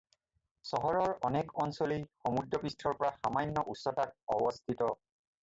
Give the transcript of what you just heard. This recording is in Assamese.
চহৰৰ অনেক অঞ্চলেই সমুদ্ৰপৃষ্ঠৰ পৰা সামান্য উচ্চতাত অৱস্থিত।